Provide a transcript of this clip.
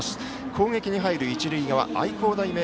攻撃に入る一塁側愛工大名